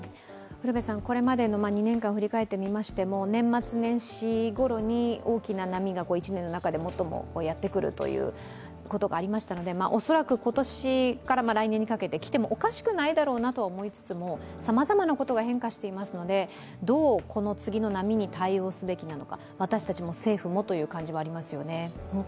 これまでの２年間振り返ってみましても、年末年始ごろに大きな波が１年の中で最もやってくるということもありましたので恐らく今年から来年にかけて来てもおかしくはないだろうなと思いつつもさまざまなことが変化していますので、どうこの次の波に対応すべきなのか、私たちも政府もという感じがありますよね。